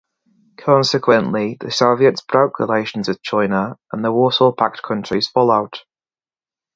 Consequently, the Soviets broke relations with China, and the Warsaw Pact countries followed.